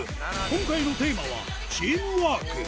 今回のテーマは、チームワーク。